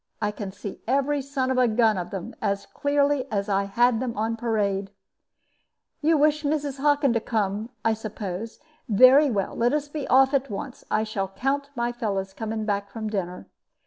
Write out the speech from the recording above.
I can see every son of a gun of them as clearly as if I had them on parade. You wish Mrs. Hockin to come, I suppose. Very well, let us be off at once. I shall count my fellows coming back from dinner."